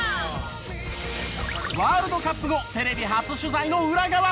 ワールドカップ後テレビ初取材の裏側。